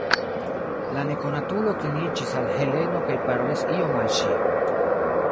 La nekonatulo kliniĝis al Heleno kaj parolis ion al ŝi.